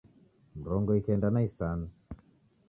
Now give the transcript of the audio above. Mrongo ikenda na isanu